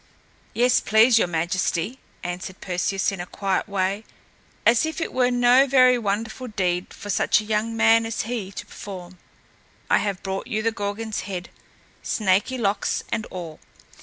"Yes, please your Majesty," answered Perseus, in a quiet way, as if it were no very wonderful deed for such a young man as he to perform. "I have brought you the Gorgon's head, snaky locks and all!"